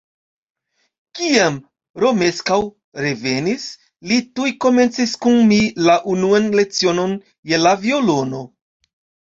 Kiam Romeskaŭ revenis, li tuj komencis kun mi la unuan lecionon je la violono.